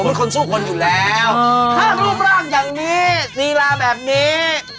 เป็นคนสู้คนอยู่แล้วถ้ารูปร่างอย่างนี้ลีลาแบบนี้